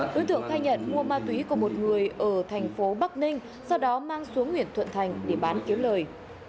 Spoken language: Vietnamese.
đối tượng khai nhận mua ma túy của một người ở thành phố bắc ninh sau đó mang xuống huyện thuận thành để bán kiếm lời